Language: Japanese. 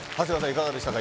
いかがでしたか